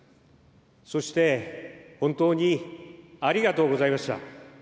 そして本当にありがとうございました。